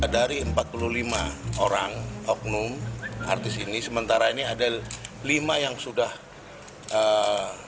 dari empat puluh lima orang oknum artis ini sementara ini ada lima yang sudah eee